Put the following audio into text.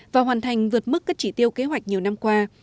và hoàn thành vượt mức các chỉ tiêu kế hoạch nhiều năm qua